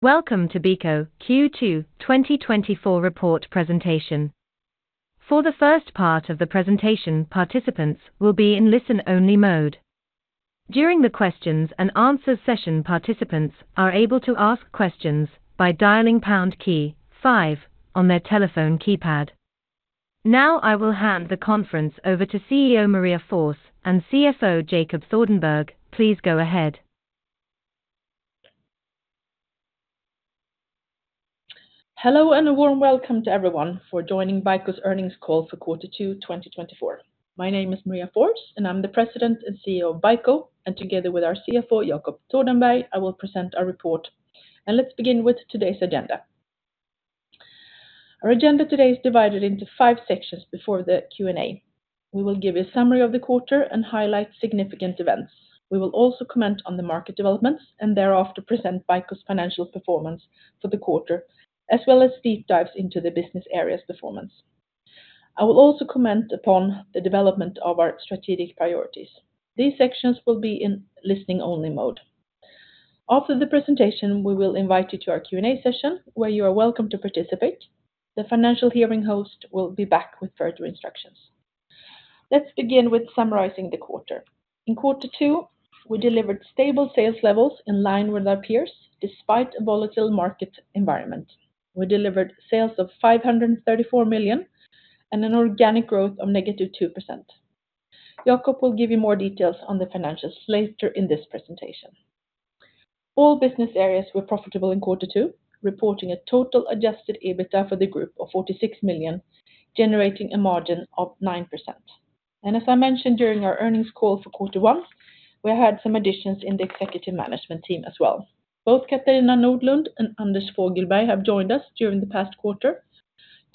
Welcome to BICO Q2 2024 Report Presentation. For the first part of the presentation, participants will be in listen-only mode. During the questions and answer session, participants are able to ask questions by dialing pound key five on their telephone keypad. Now, I will hand the conference over to CEO Maria Forss and CFO Jacob Thordenberg. Please go ahead. Hello, and a warm welcome to everyone for joining BICO's earnings call for quarter two 2024. My name is Maria Forss, and I'm the President and CEO of BICO, and together with our CFO, Jacob Thordenberg, I will present our report. Let's begin with today's agenda. Our agenda today is divided into five sections before the Q&A. We will give a summary of the quarter and highlight significant events. We will also comment on the market developments and thereafter present BICO's financial performance for the quarter, as well as deep dives into the business areas performance. I will also comment upon the development of our strategic priorities. These sections will be in listening-only mode. After the presentation, we will invite you to our Q&A session, where you are welcome to participate. The financial hearing host will be back with further instructions. Let's begin with summarizing the quarter. In quarter two, we delivered stable sales levels in line with our peers, despite a volatile market environment. We delivered sales of 534 million and an organic growth of -2%. Jacob will give you more details on the financials later in this presentation. All business areas were profitable in quarter two, reporting a total adjusted EBITDA for the group of 46 million, generating a margin of 9%, and as I mentioned during our earnings call for quarter one, we had some additions in the executive management team as well. Both Catharina Nordlund and Anders Fogelberg have joined us during the past quarter.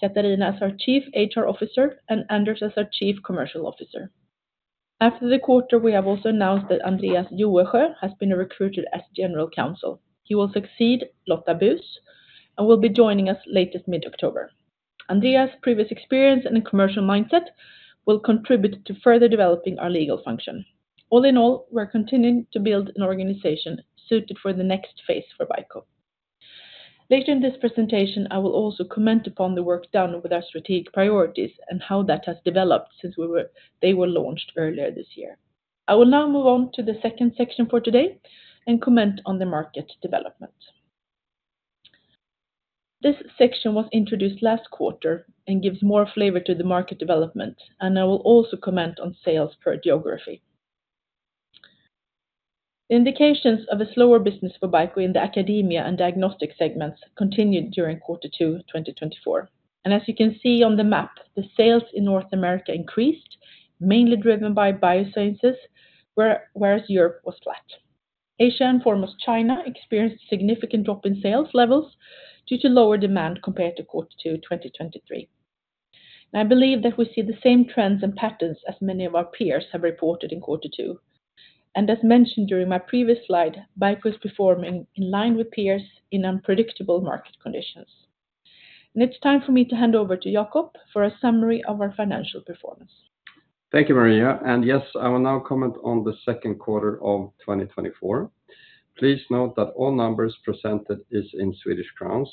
Catharina as our Chief HR Officer, and Anders as our Chief Commercial Officer. After the quarter, we have also announced that Andreas Jönsson has been recruited as General Counsel. He will succeed Lotta Bus and will be joining us late as mid-October. Andreas' previous experience in a commercial mindset will contribute to further developing our legal function. All in all, we're continuing to build an organization suited for the next phase for BICO. Later in this presentation, I will also comment upon the work done with our strategic priorities and how that has developed since they were launched earlier this year. I will now move on to the second section for today and comment on the market development. This section was introduced last quarter and gives more flavor to the market development, and I will also comment on sales per geography. Indications of a slower business for BICO in the academia and diagnostic segments continued during quarter two 2024, and as you can see on the map, the sales in North America increased, mainly driven by Biosciences, whereas Europe was flat. Asia, and foremost, China, experienced a significant drop in sales levels due to lower demand compared to quarter two 2023. I believe that we see the same trends and patterns as many of our peers have reported in quarter two. And as mentioned during my previous slide, BICO is performing in line with peers in unpredictable market conditions. And it's time for me to hand over to Jacob for a summary of our financial performance. Thank you, Maria. And yes, I will now comment on the second quarter of 2024. Please note that all numbers presented is in Swedish crowns.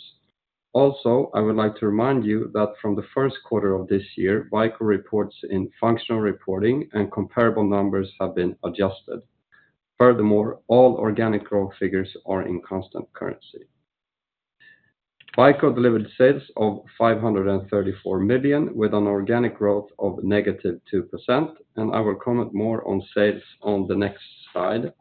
Also, I would like to remind you that from the first quarter of this year, BICO reports in functional reporting and comparable numbers have been adjusted. Furthermore, all organic growth figures are in constant currency. BICO delivered sales of 534 million, with an organic growth of -2%, and I will comment more on sales on the next slide.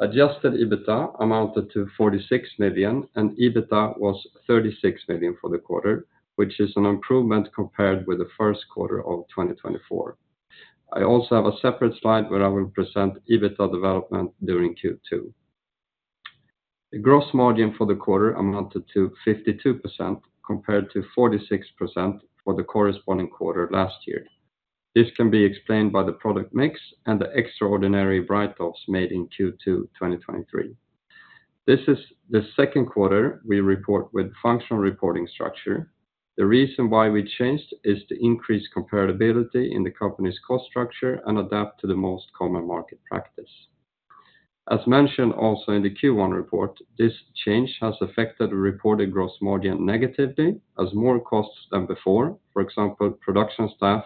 Adjusted EBITDA amounted to 46 million, and EBITDA was 36 million for the quarter, which is an improvement compared with the first quarter of 2024. I also have a separate slide where I will present EBITDA development during Q2. The gross margin for the quarter amounted to 52%, compared to 46% for the corresponding quarter last year. This can be explained by the product mix and the extraordinary write-offs made in Q2 2023. This is the second quarter we report with functional reporting structure. The reason why we changed is to increase comparability in the company's cost structure and adapt to the most common market practice. As mentioned also in the Q1 report, this change has affected the reported gross margin negatively, as more costs than before. For example, production staff,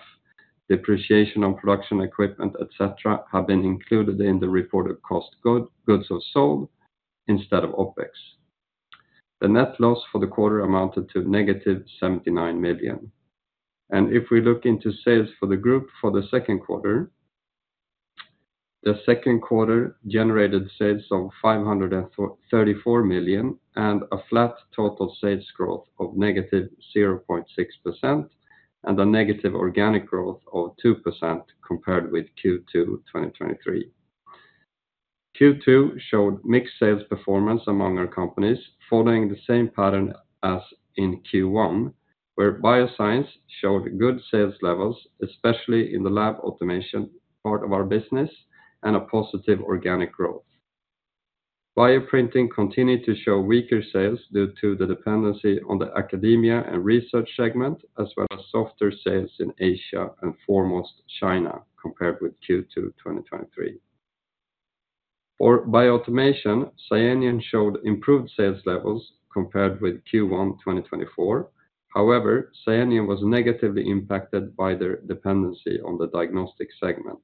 depreciation on production equipment, et cetera, have been included in the reported cost of goods sold instead of OpEx. The net loss for the quarter amounted to negative 79 million. And if we look into sales for the group for the second quarter, the second quarter generated sales of 534 million and a flat total sales growth of negative 0.6% and a negative organic growth of 2% compared with Q2 2023. Q2 showed mixed sales performance among our companies, following the same pattern as in Q1, where Biosciences showed good sales levels, especially in the lab automation part of our business, and a positive organic growth. Bioprinting continued to show weaker sales due to the dependency on the academia and research segment, as well as softer sales in Asia and foremost, China, compared with Q2 2023. For Bioautomation, SCIENION showed improved sales levels compared with Q1 2024. However, SCIENION was negatively impacted by their dependency on the diagnostic segment.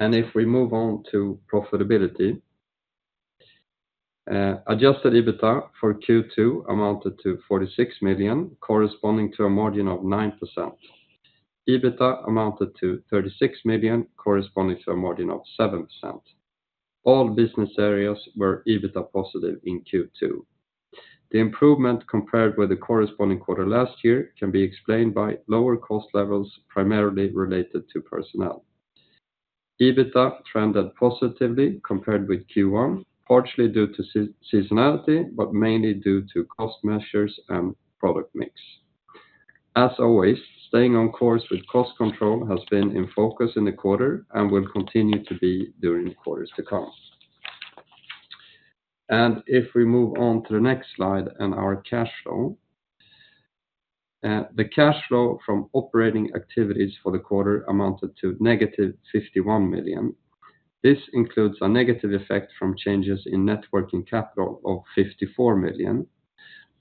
If we move on to profitability, adjusted EBITDA for Q2 amounted to 46 million, corresponding to a margin of 9%. EBITDA amounted to 36 million, corresponding to a margin of 7%. All business areas were EBITDA positive in Q2. The improvement compared with the corresponding quarter last year can be explained by lower cost levels, primarily related to personnel. EBITDA trended positively compared with Q1, partially due to seasonality, but mainly due to cost measures and product mix. As always, staying on course with cost control has been in focus in the quarter, and will continue to be during the quarters to come. If we move on to the next slide and our cash flow, the cash flow from operating activities for the quarter amounted to negative 51 million. This includes a negative effect from changes in net working capital of 54 million.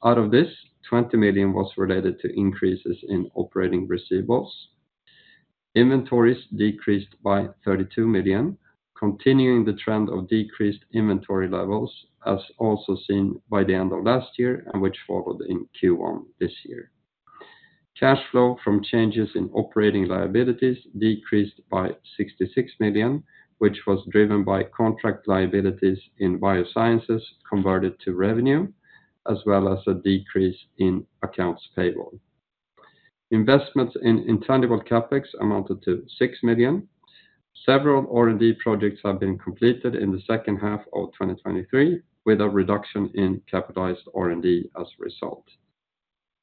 Out of this, 20 million was related to increases in operating receivables. Inventories decreased by 32 million, continuing the trend of decreased inventory levels, as also seen by the end of last year and which followed in Q1 this year. Cash flow from changes in operating liabilities decreased by 66 million, which was driven by contract liabilities in Biosciences converted to revenue, as well as a decrease in accounts payable. Investments in intangible CapEx amounted to 6 million. Several R&D projects have been completed in the second half of 2023, with a reduction in capitalized R&D as a result.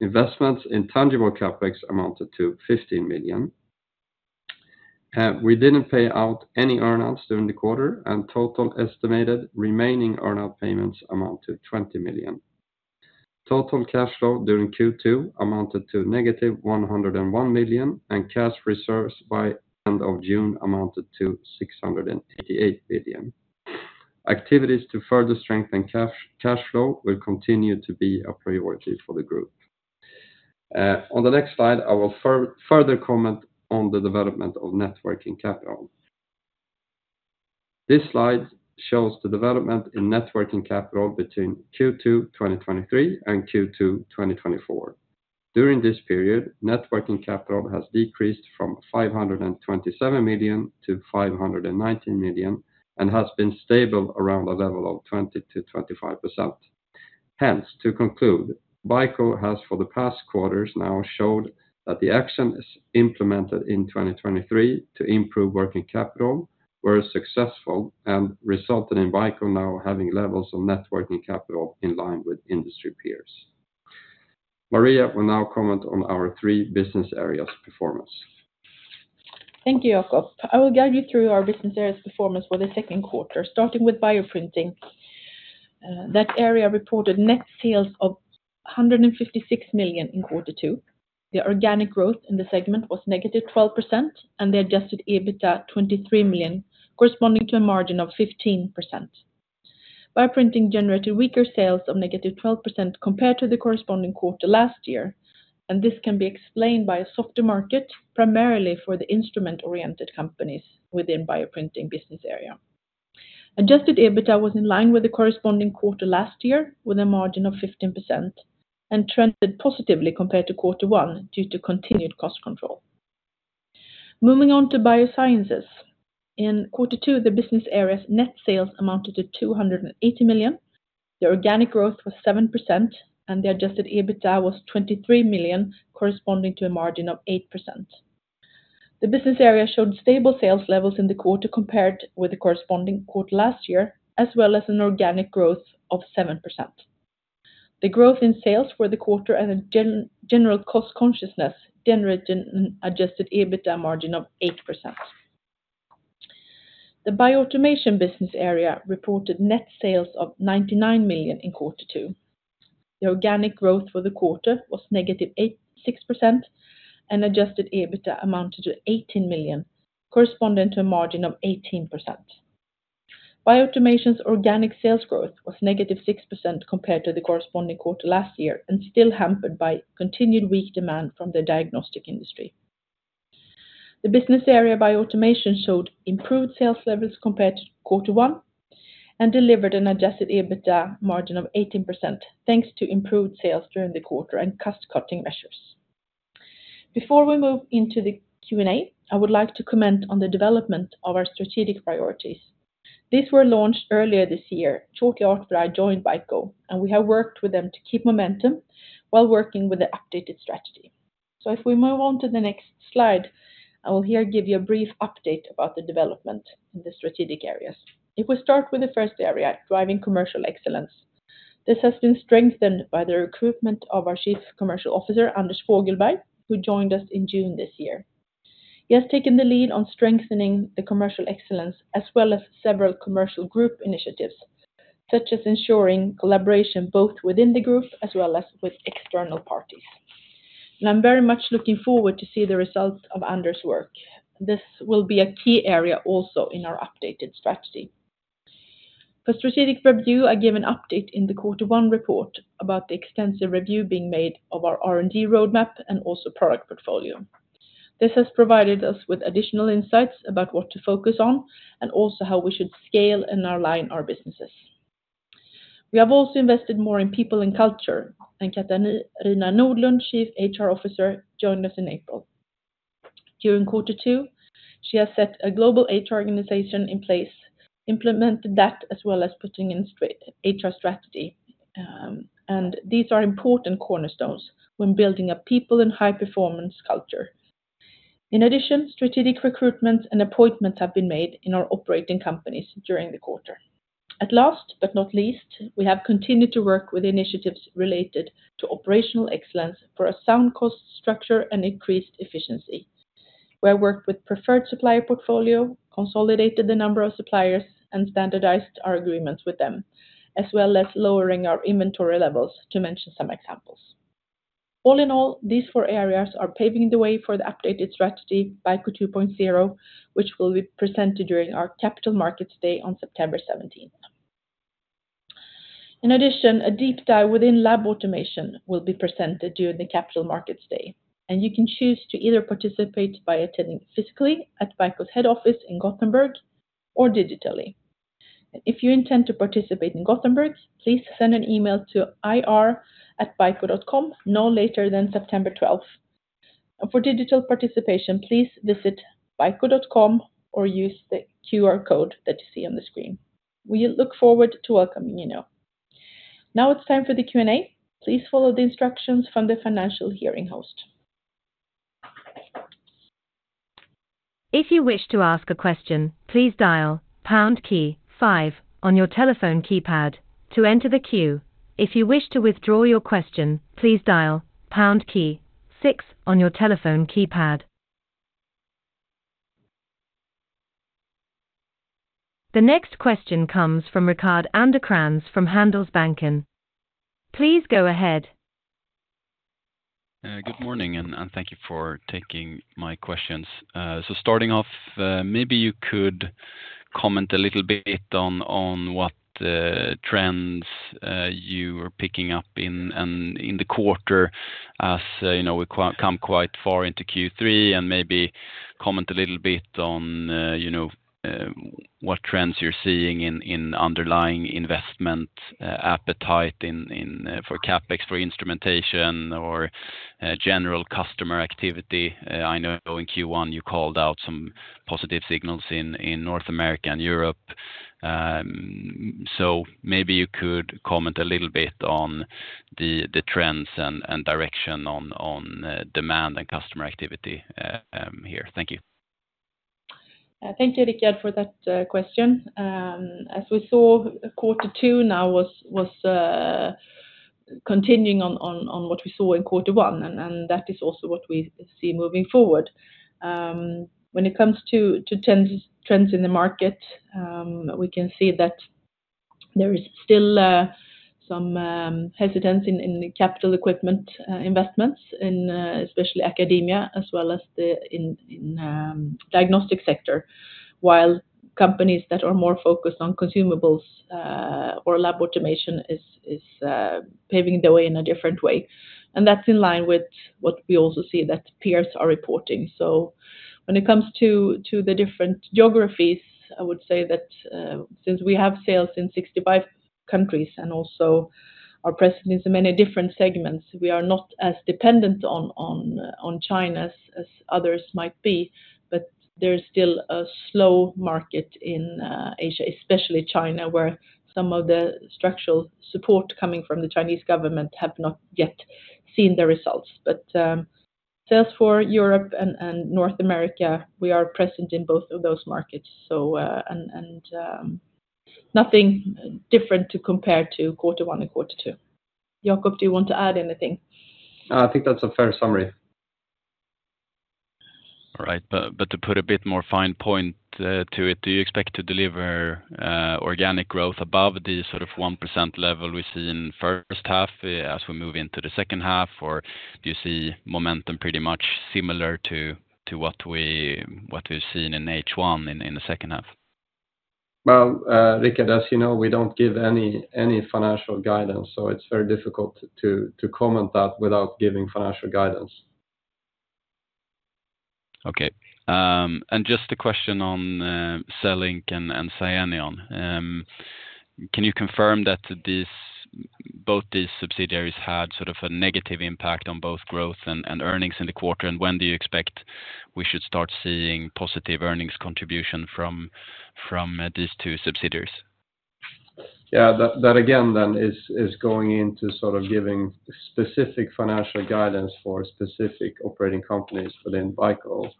Investments in tangible CapEx amounted to 15 million. We didn't pay out any earnouts during the quarter, and total estimated remaining earnout payments amount to 20 million. Total cash flow during Q2 amounted to negative 101 million, and cash reserves by end of June amounted to 688 million. Activities to further strengthen cash, cash flow will continue to be a priority for the group. On the next slide, I will further comment on the development of net working capital. This slide shows the development in net working capital between Q2 2023 and Q2 2024. During this period, net working capital has decreased from 527 million to 519 million, and has been stable around a level of 20% to 25%. Hence, to conclude, BICO has, for the past quarters, now showed that the action is implemented in 2023 to improve working capital, were successful and resulted in BICO now having levels of net working capital in line with industry peers. Maria will now comment on our three business areas' performance. Thank you, Jacob. I will guide you through our business areas performance for the second quarter, starting with bioprinting. That area reported net sales of 156 million in quarter two. The organic growth in the segment was -12%, and the adjusted EBITDA, 23 million, corresponding to a margin of 15%. Bioprinting generated weaker sales of -12% compared to the corresponding quarter last year, and this can be explained by a softer market, primarily for the instrument-oriented companies within bioprinting business area. Adjusted EBITDA was in line with the corresponding quarter last year, with a margin of 15%, and trended positively compared to quarter one due to continued cost control. Moving on to Biosciences. In quarter two, the business area's net sales amounted to 280 million. The organic growth was 7%, and the adjusted EBITDA was 23 million, corresponding to a margin of 8%. The business area showed stable sales levels in the quarter compared with the corresponding quarter last year, as well as an organic growth of 7%. The growth in sales for the quarter and a general cost consciousness generated an adjusted EBITDA margin of 8%. The Bioautomation business area reported net sales of 99 million in quarter two. The organic growth for the quarter was -6%, and adjusted EBITDA amounted to 18 million, corresponding to a margin of 18%. Bioautomation's organic sales growth was -6% compared to the corresponding quarter last year, and still hampered by continued weak demand from the diagnostic industry. The business area Bioautomation showed improved sales levels compared to quarter one, and delivered an adjusted EBITDA margin of 18%, thanks to improved sales during the quarter and cost-cutting measures. Before we move into the Q&A, I would like to comment on the development of our strategic priorities. These were launched earlier this year. Shortly after I joined BICO, and we have worked with them to keep momentum while working with the updated strategy. If we move on to the next slide, I will here give you a brief update about the development in the strategic areas. If we start with the first area, driving commercial excellence. This has been strengthened by the recruitment of our Chief Commercial Officer, Anders Fogelberg, who joined us in June this year. He has taken the lead on strengthening the commercial excellence, as well as several commercial group initiatives, such as ensuring collaboration both within the group as well as with external parties. And I'm very much looking forward to see the results of Anders' work. This will be a key area also in our updated strategy. For strategic review, I gave an update in the quarter one report about the extensive review being made of our R&D roadmap and also product portfolio. This has provided us with additional insights about what to focus on, and also how we should scale and align our businesses. We have also invested more in people and culture, and Catharina Nordlund, Chief HR Officer, joined us in April. During quarter two, she has set a global HR organization in place, implemented that, as well as putting in HR strategy, and these are important cornerstones when building a people and high-performance culture. In addition, strategic recruitments and appointments have been made in our operating companies during the quarter. Last, but not least, we have continued to work with initiatives related to operational excellence for a sound cost structure and increased efficiency. We have worked with preferred supplier portfolio, consolidated the number of suppliers, and standardized our agreements with them, as well as lowering our inventory levels, to mention some examples. All in all, these four areas are paving the way for the updated strategy, BICO 2.0, which will be presented during our Capital Markets Day on September 17. In addition, a deep dive within lab automation will be presented during the Capital Markets Day, and you can choose to either participate by attending physically at BICO's head office in Gothenburg or digitally. If you intend to participate in Gothenburg, please send an email to ir@bico.com, no later than September 12, and for digital participation, please visit bico.com or use the QR code that you see on the screen. We look forward to welcoming you now. Now it's time for the Q&A. Please follow the instructions from the financial hearing host. If you wish to ask a question, please dial pound key five on your telephone keypad to enter the queue. If you wish to withdraw your question, please dial pound key six on your telephone keypad. The next question comes from Rickard Anderkrans from Handelsbanken. Please go ahead. Good morning, and thank you for taking my questions. So starting off, maybe you could comment a little bit on what trends you are picking up in the quarter, as you know, we come quite far into Q3, and maybe comment a little bit on you know what trends you're seeing in underlying investment appetite for CapEx, for instrumentation, or general customer activity. I know in Q1, you called out some positive signals in North America and Europe. So maybe you could comment a little bit on the trends and direction on demand and customer activity here. Thank you. Thank you, Rickard, for that question. As we saw, quarter two now was continuing on what we saw in quarter one, and that is also what we see moving forward. When it comes to trends in the market, we can see that there is still some hesitance in the capital equipment investments, especially academia, as well as the diagnostic sector, while companies that are more focused on consumables or lab automation is paving the way in a different way. And that's in line with what we also see that peers are reporting. So when it comes to the different geographies, I would say that since we have sales in 65 countries, and also are present in many different segments, we are not as dependent on China as others might be. But there is still a slow market in Asia, especially China, where some of the structural support coming from the Chinese government have not yet seen the results. But sales for Europe and North America, we are present in both of those markets, so and nothing different to compare to quarter one and quarter two. Jacob, do you want to add anything? I think that's a fair summary. All right, but to put a bit more fine point to it, do you expect to deliver organic growth above the sort of 1% level we see in first half as we move into the second half? Or do you see momentum pretty much similar to what we've seen in H1 in the second half? Rickard, as you know, we don't give any financial guidance, so it's very difficult to comment that without giving financial guidance. Okay, and just a question on CELLINK and SCIENION. Can you confirm that these both these subsidiaries had sort of a negative impact on both growth and earnings in the quarter? And when do you expect we should start seeing positive earnings contribution from these two subsidiaries? Yeah, that again is going into sort of giving specific financial guidance for specific operating companies within BICO.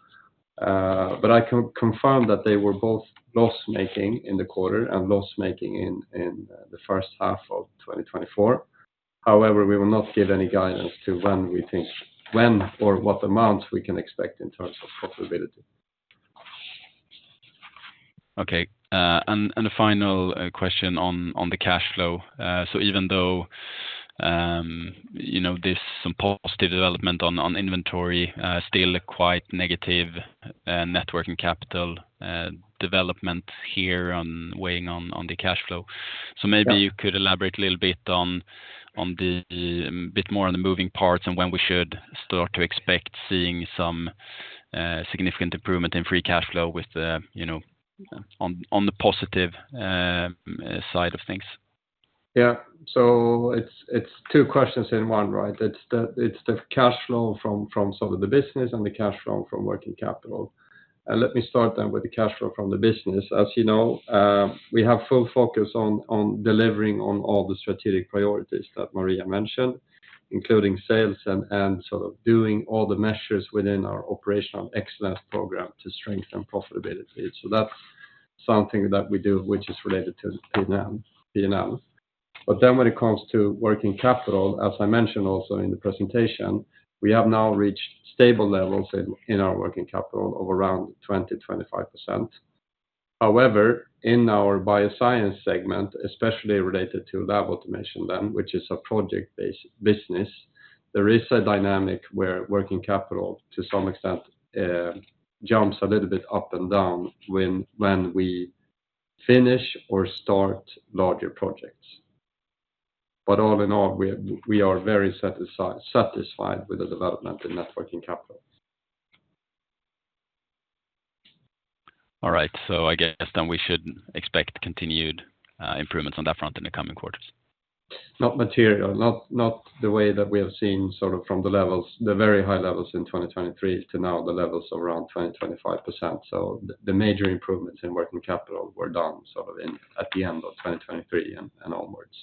But I can confirm that they were both loss-making in the quarter and loss-making in the first half of 2024. However, we will not give any guidance to when or what amount we can expect in terms of profitability. Okay, and the final question on the cash flow. So even though, you know, there's some positive development on inventory, still quite negative net working capital development here, weighing on the cash flow. Yeah. Maybe you could elaborate a little bit on a bit more on the moving parts and when we should start to expect seeing some significant improvement in free cash flow with the, you know, on the positive side of things? Yeah. So it's two questions in one, right? It's the cash flow from some of the business and the cash flow from working capital. And let me start then with the cash flow from the business. As you know, we have full focus on delivering on all the strategic priorities that Maria mentioned, including sales and sort of doing all the measures within our operational excellence program to strengthen profitability. So that's something that we do, which is related to P&L. But then when it comes to working capital, as I mentioned also in the presentation, we have now reached stable levels in our working capital of around 20%-25%. However, in our Biosciences segment, especially related to lab automation then, which is a project-based business, there is a dynamic where working capital, to some extent, jumps a little bit up and down when we finish or start larger projects. But all in all, we are very satisfied with the development in net working capital. All right, so I guess then we should expect continued improvements on that front in the coming quarters? Not material. Not, not the way that we have seen, sort of, from the levels, the very high levels in 2023 to now the levels around 25%. So the major improvements in working capital were done sort of in, at the end of 2023 and onwards.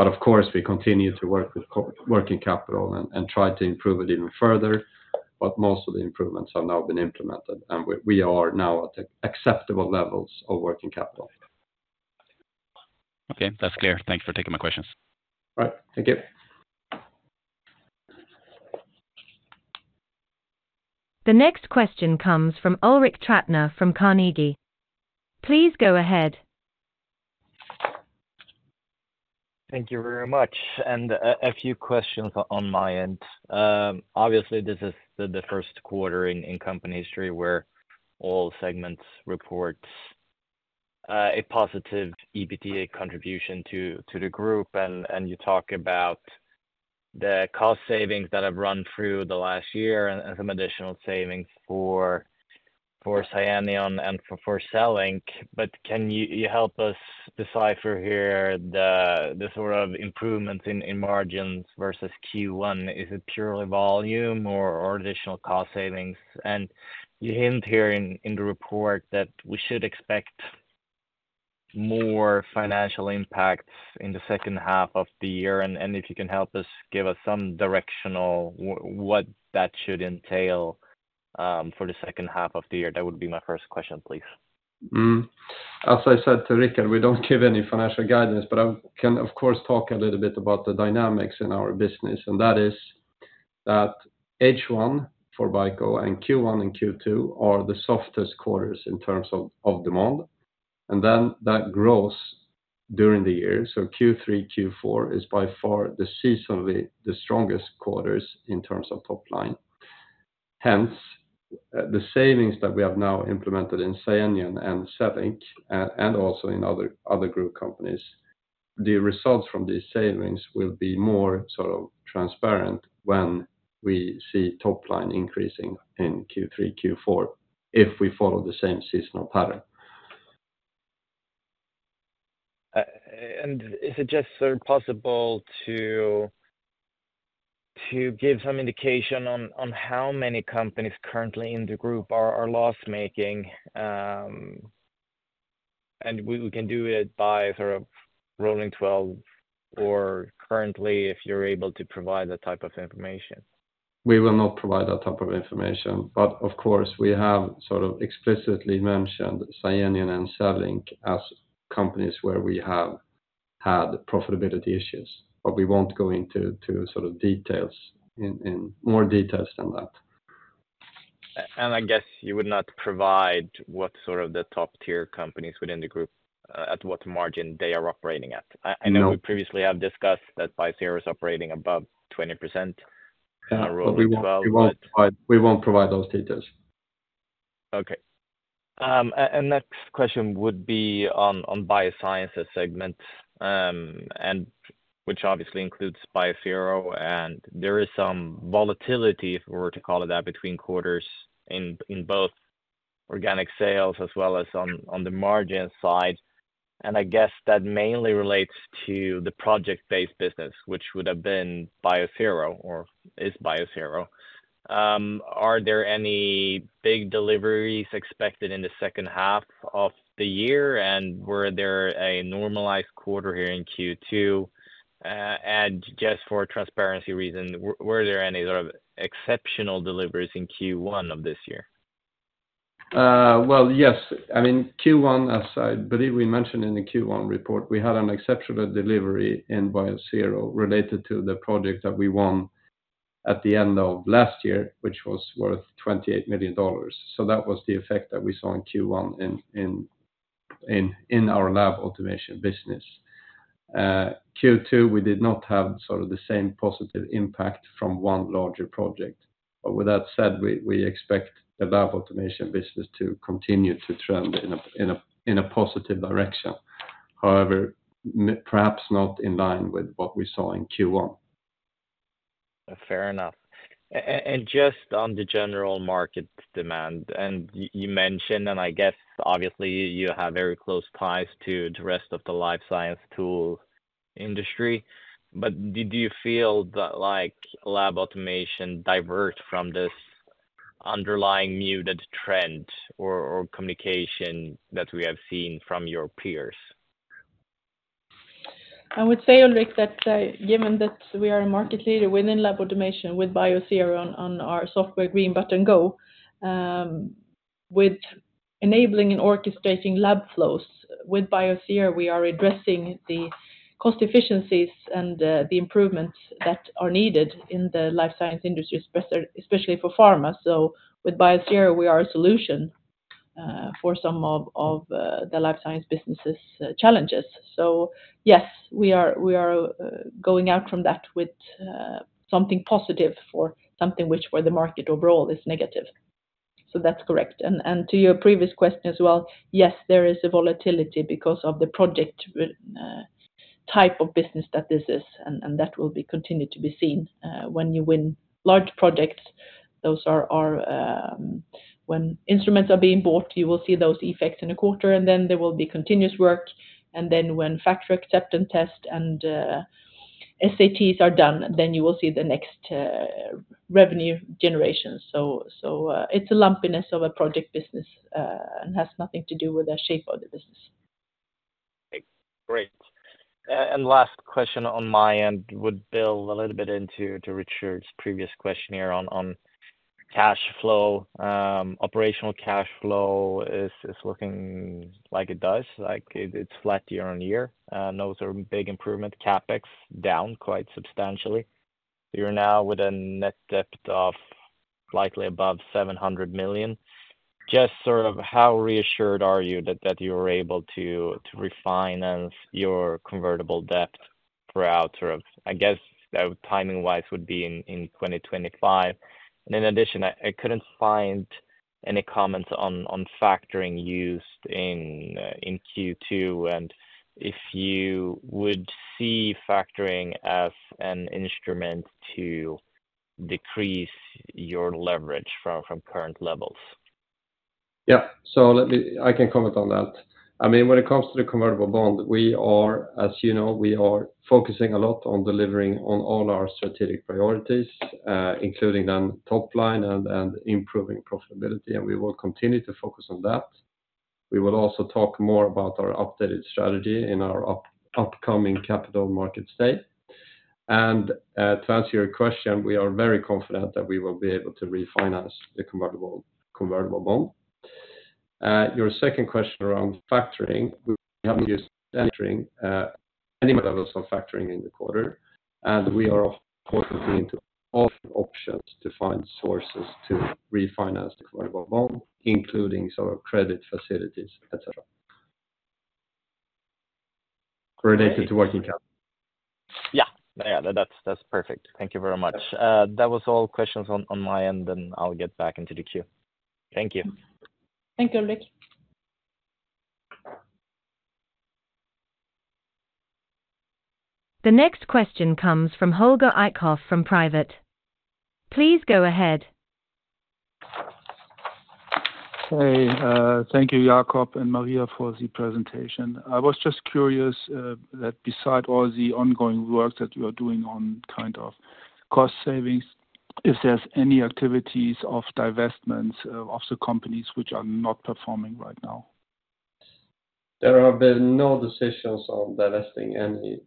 But of course, we continue to work with net working capital and try to improve it even further. But most of the improvements have now been implemented, and we are now at acceptable levels of working capital. Okay, that's clear. Thank you for taking my questions. All right, thank you. The next question comes from Ulrik Trattner from Carnegie. Please go ahead. Thank you very much, and a few questions on my end. Obviously, this is the first quarter in company history where all segments report a positive EBITDA contribution to the group, and you talk about the cost savings that have run through the last year and some additional savings for SCIENION and for CELLINK. But can you help us decipher here the sort of improvements in margins versus Q1? Is it purely volume or additional cost savings? And you hint here in the report that we should expect more financial impacts in the second half of the year, and if you can help us give us some directional, what that should entail for the second half of the year. That would be my first question, please. As I said to Rick, we don't give any financial guidance, but I can, of course, talk a little bit about the dynamics in our business, and that is that H1 for BICO and Q1 and Q2 are the softest quarters in terms of demand, and then that grows during the year. So Q3, Q4 is by far the seasonally strongest quarters in terms of top line. Hence, the savings that we have now implemented in SCIENION and CELLINK, and also in other group companies, the results from these savings will be more sort of transparent when we see top line increasing in Q3, Q4, if we follow the same seasonal pattern. And is it just sort of possible to give some indication on how many companies currently in the group are loss-making? And we can do it by sort of rolling 12 or currently, if you're able to provide that type of information. We will not provide that type of information, but of course, we have sort of explicitly mentioned SCIENION and CELLINK as companies where we have had profitability issues. But we won't go into, to sort of details, in more details than that. And I guess you would not provide what sort of the top-tier companies within the group at what margin they are operating at? I know we previously have discussed that Biosero is operating above 20%, rolling 12, but-- We won't provide those details. Okay. And next question would be on the Biosciences segment, and which obviously includes Biosero, and there is some volatility, if we were to call it that, between quarters in both organic sales as well as on the margin side. And I guess that mainly relates to the project-based business, which would have been Biosero or is Biosero. Are there any big deliveries expected in the second half of the year, and were there a normalized quarter here in Q2? And just for transparency reason, were there any sort of exceptional deliveries in Q1 of this year? Well, yes. I mean, Q1, as I believe we mentioned in the Q1 report, we had an exceptional delivery in Biosero related to the project that we won at the end of last year, which was worth $28 million. So that was the effect that we saw in Q1 in our lab automation business. Q2, we did not have sort of the same positive impact from one larger project. But with that said, we expect the lab automation business to continue to trend in a positive direction. However, perhaps not in line with what we saw in Q1. Fair enough. And just on the general market demand, and you mentioned, and I guess, obviously, you have very close ties to the rest of the life science tool industry. But do you feel that, like, lab automation deviate from this underlying muted trend or communication that we have seen from your peers? I would say, Ulrik, that, given that we are a market leader within lab automation with Biosero on, on our software, Green Button Go, with enabling and orchestrating lab flows. With Biosero, we are addressing the cost efficiencies and, the improvements that are needed in the life science industry, especially for pharma. So with Biosero, we are a solution, for some of, the life science businesses, challenges. So yes, we are going out from that with, something positive for something which for the market overall is negative. So that's correct. And to your previous question as well, yes, there is a volatility because of the project with type of business that this is, and that will be continued to be seen. When you win large projects, those are when instruments are being bought, you will see those effects in a quarter, and then there will be continuous work. Then when factory acceptance test and SATs are done, then you will see the next revenue generation. So, it's a lumpiness of a project business, and has nothing to do with the shape of the business. Great. And last question on my end would build a little bit into, to Rickard's previous question here on, on cash flow. Operational cash flow is, is looking like it does, like it's flat year on year, no sort of big improvement, CapEx down quite substantially. You're now with a net debt of likely above 700 million. Just sort of how reassured are you that, that you were able to, to refinance your convertible debt throughout sort of, I guess, timing-wise, would be in, in 2025. And in addition, I, I couldn't find any comments on, on factoring used in, in Q2, and if you would see factoring as an instrument to decrease your leverage from, from current levels. Yeah. Let me comment on that. I mean, when it comes to the convertible bond, we are, as you know, focusing a lot on delivering on all our strategic priorities, including on top line and improving profitability, and we will continue to focus on that. We will also talk more about our updated strategy in our upcoming Capital Markets Day. To answer your question, we are very confident that we will be able to refinance the convertible bond. Your second question around factoring, we have not entered into any levels of factoring in the quarter, and we are, of course, looking into all options to find sources to refinance the convertible bond, including credit facilities, et cetera, related to working capital. Yeah, that's perfect. Thank you very much. That was all questions on my end, and I'll get back into the queue. Thank you. Thank you, Ulrik. The next question comes from Holger Eickhoff, from Private. Please go ahead. Hey, thank you, Jacob and Maria, for the presentation. I was just curious, that besides all the ongoing work that you are doing on kind of cost savings, if there's any activities of divestments, of the companies which are not performing right now? There have been no decisions on divesting any,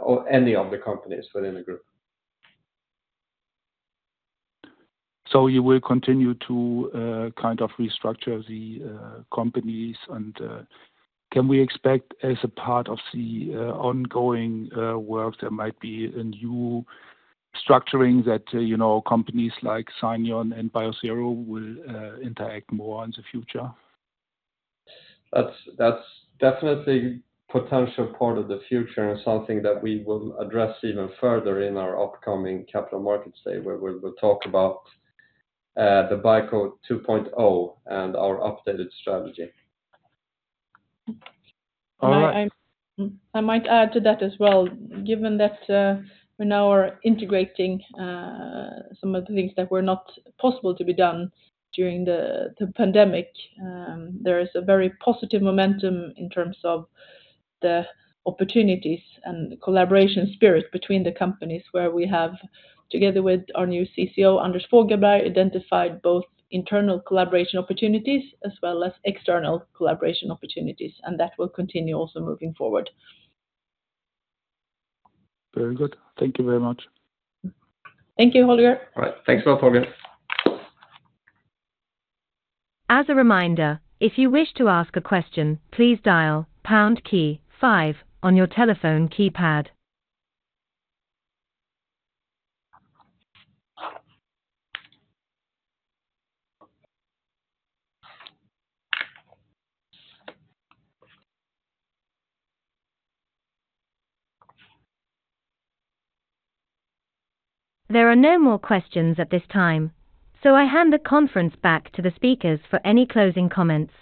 or any of the companies within the group. So you will continue to kind of restructure the companies, and can we expect as a part of the ongoing work, there might be a new structuring that, you know, companies like SCIENION and Biosero will interact more in the future? That's, that's definitely potential part of the future and something that we will address even further in our upcoming Capital Markets Day, where we'll, we'll talk about the BICO 2.0 and our updated strategy. All right. I might add to that as well, given that we now are integrating some of the things that were not possible to be done during the pandemic. There is a very positive momentum in terms of the opportunities and collaboration spirit between the companies where we have, together with our new CCO, Anders Fogelberg, identified both internal collaboration opportunities as well as external collaboration opportunities, and that will continue also moving forward. Very good. Thank you very much. Thank you, Holger. All right. Thanks a lot, Holger. As a reminder, if you wish to ask a question, please dial pound key five on your telephone keypad. There are no more questions at this time, so I hand the conference back to the speakers for any closing comments.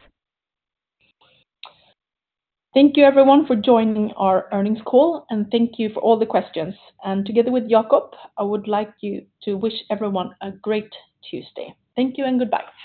Thank you, everyone, for joining our earnings call, and thank you for all the questions. And together with Jacob, I would like you to wish everyone a great Tuesday. Thank you, and goodbye.